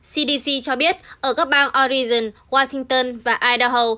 cdc cho biết ở các bang oregon washington và idaho